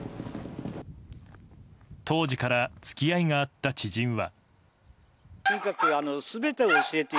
当時から付き合いがあった知人は。